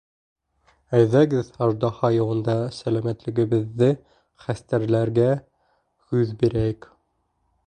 Әйҙәгеҙ, Аждаһа йылында сәләмәтлегебеҙҙе хәстәрләргә һүҙ бирәйек.